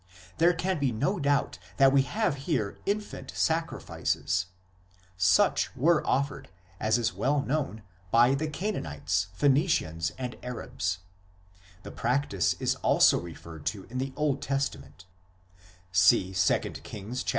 4 There can be no doubt that we have here infant sacrifices ; such were offered, as is well known, by the Canaanites, Phoe nicians, and Arabs ; the practice is also referred to in the Old Testament (see 2 Kings iii.